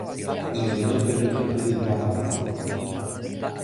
ijo luka luka tu wan li lon.